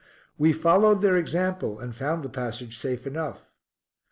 We followed their example, and found the passage safe enough.